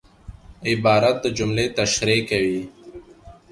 عبارت د جملې تشریح کوي.